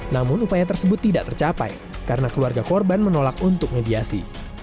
namun upaya tersebut tidak tercapai karena keluarga korban menolak untuk mediasi